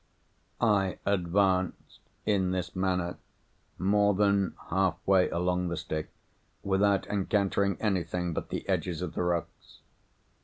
I advanced, in this manner, more than half way along the stick, without encountering anything but the edges of the rocks.